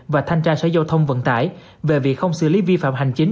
và thanh tra sở giao thông vận tải về việc không xử lý vi phạm hành chính